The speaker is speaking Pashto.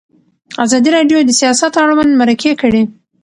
ازادي راډیو د سیاست اړوند مرکې کړي.